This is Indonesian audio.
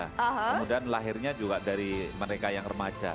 kemudian lahirnya juga dari mereka yang remaja